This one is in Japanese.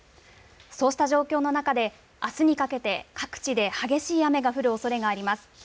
そうした状況の中で、あすにかけて、各地で激しい雨が降るおそれがあります。